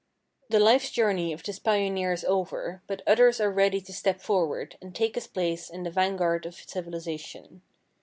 * The life's journey of this pioneer is over, but others are ready to step forward and take his place in the vanguard of civilization.